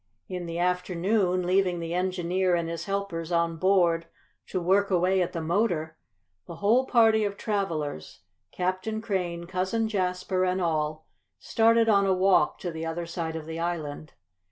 In the afternoon, leaving the engineer and his helpers on board to work away at the motor, the whole party of travelers, Captain Crane, Cousin Jasper and all, started on a walk to the other side of the island.